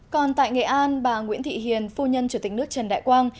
còn tại nghệ an bà nguyễn thị hiền phu nhân chủ tịch nước trần đại quang